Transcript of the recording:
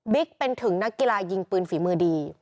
เป็นถึงนักกีฬายิงปืนฝีมือดี